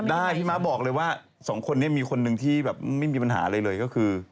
พี่ม้าบอกเลยว่าสองคนนี้มีคนหนึ่งที่แบบไม่มีปัญหาอะไรเลยก็คือ